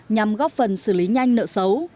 nhằm góp phần xử lý nhanh nợ xấu